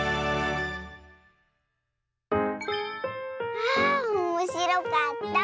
あおもしろかった。